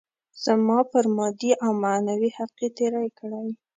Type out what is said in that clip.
زما پر مادي او معنوي حق يې تېری کړی.